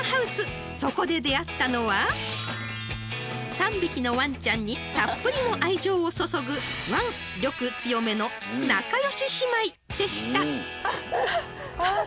［３匹のワンちゃんにたっぷりの愛情を注ぐワン力強めの仲良し姉妹でした］